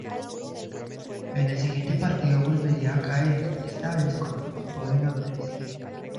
En el siguiente partido volvería a caer, esta vez con el equipo de Londres.